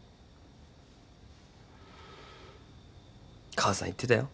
母さん言ってたよ。